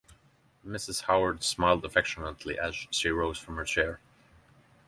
Mrs. Howard smiled affectionately as she rose from her chair.